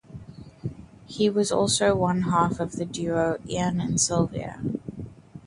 He was also one half of the duo Ian and Sylvia.